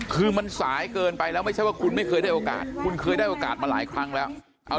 คือมันสายเกินไปแล้วไม่ใช่ว่าคุณไม่เคยได้โอกาสคุณเคยได้โอกาสมาหลายครั้งแล้ว